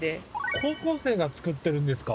高校生が作ってるんですか。